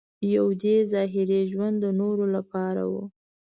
یو دې ظاهري ژوند د نورو لپاره و.